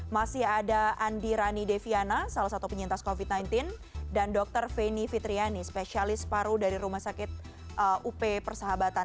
masih ada andi rani deviana salah satu penyintas covid sembilan belas dan dr feni fitriani spesialis paru dari rumah sakit up persahabatan